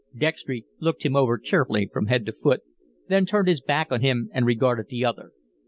Dextry looked him over carefully from head to foot, then turned his back on him and regarded the other.